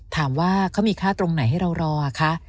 ถามว่าเขามีค่าตรงไหนให้เรารอคะ